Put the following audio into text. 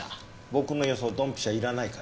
「僕の予想ドンピシャ」いらないから。